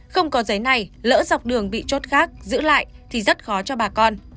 không có giấy này lỡ dọc đường bị chốt khác giữ lại thì rất khó cho bà con